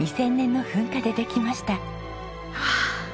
はあ。